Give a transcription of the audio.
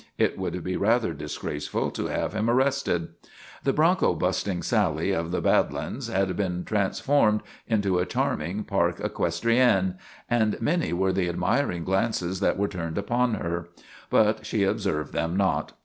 It would be rather disgraceful to have him arrested. The broncho busting Sally of the Bad Lands had been transformed into a charming park eques trienne, and many were the admiring glances that were turned upon her; but she observed them not.